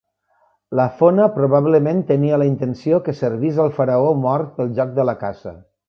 La fona probablement tenia la intenció de que servís al faraó mort pel joc de la caça.